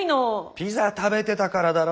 ピザ食べてたからだろ。